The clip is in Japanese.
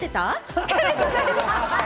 疲れてないです。